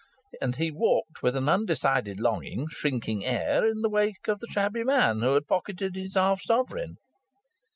And he walked, with an undecided, longing, shrinking air, in the wake of the shabby man who had pocketed his half sovereign.